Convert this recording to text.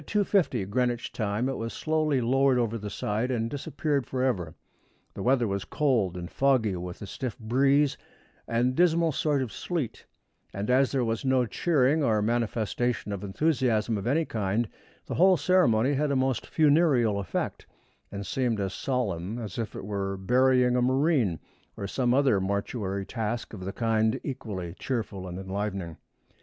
50 Greenwich time it was slowly lowered over the side and disappeared forever. The weather was cold and foggy, with a stiff breeze and dismal sort of sleet, and as there was no cheering or manifestation of enthusiasm of any kind, the whole ceremony had a most funereal effect, and seemed as solemn as if we were burying a marine, or some other mortuary task of the kind equally cheerful and enlivening.